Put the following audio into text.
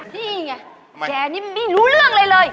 พี่ไงแกนี่มันไม่รู้เรื่องเลย